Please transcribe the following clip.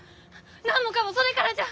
何もかんもそれからじゃ！